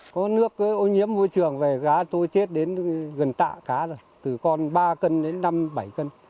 có nước ô nhiễm môi trường về cá tôi chết đến gần tạ cá rồi từ con ba cân đến năm bảy cân